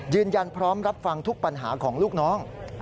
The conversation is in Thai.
ยืนยันพร้อมรับฟังทุกปัญหาของลูกน้อง